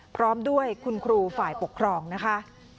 พร้อมด้วยคุณครูฝ่ายปกครองนะคะ